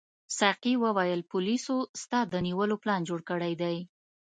ساقي وویل پولیسو ستا د نیولو پلان جوړ کړی دی.